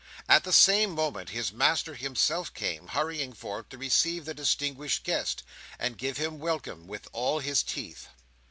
At the same moment his master himself came, hurrying forth to receive the distinguished guest, and give him welcome with all his teeth.